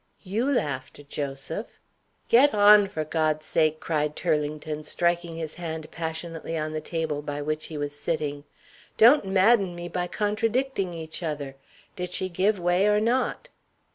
"you laughed, Joseph." "Get on, for God's sake!" cried Turlington, striking his hand passionately on the table by which he was sitting. "Don't madden me by contradicting each other! Did she give way or not?"